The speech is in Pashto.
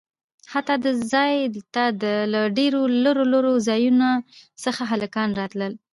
حتا د ځاى ته له ډېرو لرو لرو ځايونه څخه هلکان راتلل.